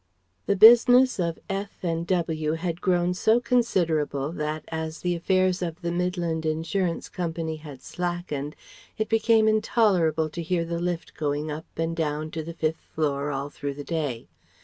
The business of F. and W. had grown so considerable that, as the affairs of the Midland Insurance Co. had slackened, it became intolerable to hear the lift going up and down to the fifth floor all through the day.